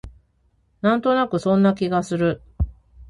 なんとなくそんな気がする